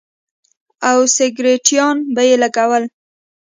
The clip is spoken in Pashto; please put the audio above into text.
او سگرټيان به يې لگول.